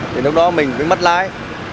thì lúc đó mình mới mất lái